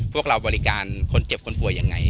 พวกเราบริการคนเจ็บคนป่วยยังไง